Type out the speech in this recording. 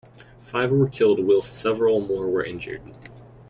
Five were killed whilst several more were injured.